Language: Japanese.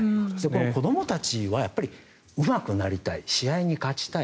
子どもたちはうまくなりたい試合に勝ちたい。